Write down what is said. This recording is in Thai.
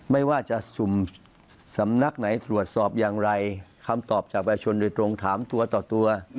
ไม่ว่าจะสุ่มสำนักไหนตรวจสอบอย่างไรคำตอบจากประชาชนโดยตรงถามตัวต่อตัว